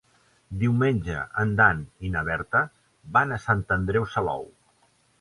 Diumenge en Dan i na Berta van a Sant Andreu Salou.